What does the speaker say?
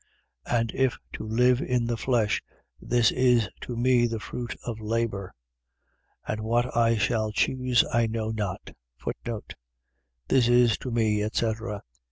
1:22. And if to live in the flesh: this is to me the fruit of labour. And what I shall choose I know not. This is to me, etc. ..